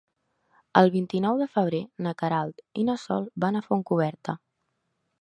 El vint-i-nou de febrer na Queralt i na Sol van a Fontcoberta.